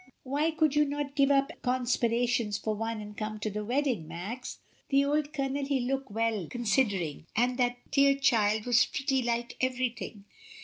Why could you not give up conspirations for once and come to the wedding, Max? The old Colonel he look well considering; and that dear child was pretty like everything.